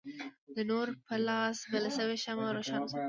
د نوري په لاس بله شوې شمعه روښانه وساتي.